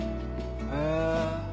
へえ。